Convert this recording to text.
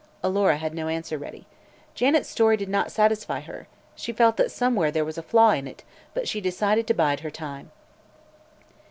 Alora had no answer ready. Janet's story did not satisfy her; she felt that somewhere there was a flaw in it; but she decided to bide her time.